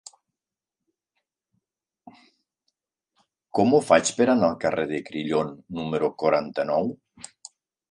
Com ho faig per anar al carrer de Crillon número quaranta-nou?